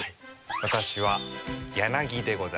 私はヤナギでございます。